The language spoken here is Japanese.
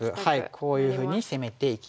こういうふうに攻めていき。